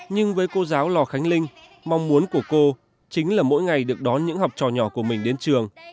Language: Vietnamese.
nhưng với cô giáo lò khánh linh mong muốn của cô chính là mỗi ngày được đón những học trò nhỏ của mình đến trường